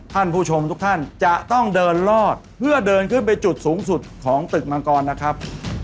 ท่านผู้ชมทุกท่านจะต้องเดินรอดเพื่อเดินขึ้นไปจุดสูงสุดของตึกมังกรนะครับ